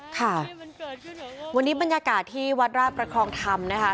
ค่ะวันนี้บรรยากาศที่วัดราชประคองธรรมนะคะ